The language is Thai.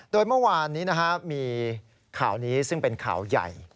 โดยเมื่อวานนี้มีข่าวนี้ซึ่งเป็นข่าวใหญ่